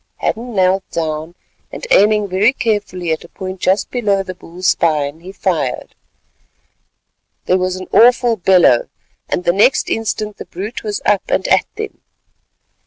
Hadden knelt down, and aiming very carefully at a point just below the bull's spine, he fired. There was an awful bellow, and the next instant the brute was up and at them.